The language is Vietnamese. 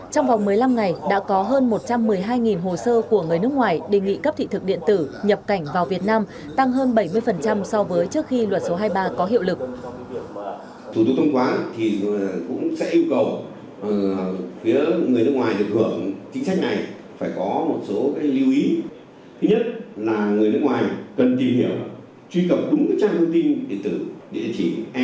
trong vòng một mươi năm ngày đã có hơn một trăm một mươi hai hồ sơ của người nước ngoài đề nghị cấp thị thực điện tử nhập cảnh vào việt nam tăng hơn bảy mươi so với trước khi luật số hai mươi ba có hiệu lực